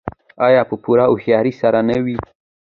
آیا په پوره هوښیارۍ سره نه وي؟